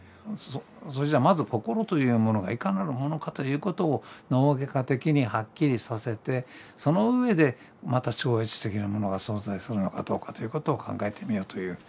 それじゃまず心というものがいかなるものかということを脳外科的にはっきりさせてその上でまた超越的なものが存在するのかどうかということを考えてみようというまあ